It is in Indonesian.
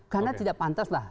karena tidak pantaslah